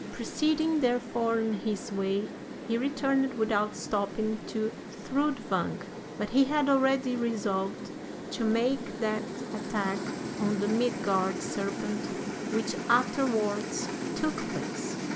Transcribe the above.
Proceeding, therefore, on his way, he returned without stopping to Thrudvang. But he had already resolved to make that attack on the Midgard serpent which afterwards took place.